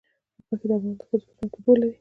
غوښې د افغان ښځو په ژوند کې رول لري.